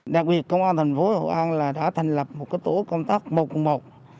đặc biệt công an thành phố hồ an đã thành lập một tổ công tác mộc mộc